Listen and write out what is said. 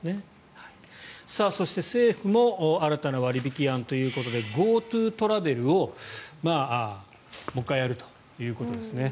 そして、政府も新たな割引案ということでＧｏＴｏトラベルをもう１回やるということですね。